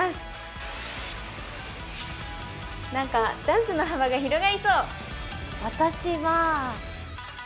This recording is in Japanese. なんかダンスの幅が広がりそう。